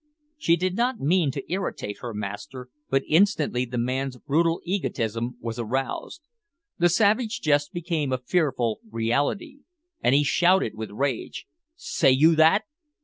She did not mean to irritate her master, but instantly the man's brutal egotism was aroused. The savage jest became a fearful reality, and he shouted with rage: "Say you that!